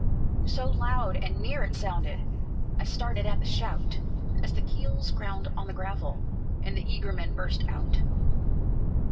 So loud and near it sounded, I started at the shout, As the keels ground on the gravel, And the eager men burst out.